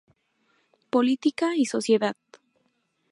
Política y sociedad".